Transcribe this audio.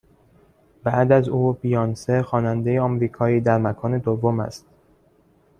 بعد از او بیانسه خواننده آمریکایی در مکان دوم است